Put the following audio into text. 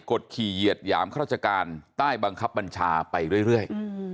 ดขี่เหยียดหยามข้าราชการใต้บังคับบัญชาไปเรื่อย